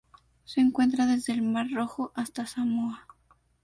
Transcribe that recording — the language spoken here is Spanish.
Se encuentra desde el Mar Rojo hasta Samoa.